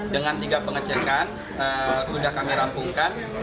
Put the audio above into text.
dengan tiga pengecekan sudah kami rampungkan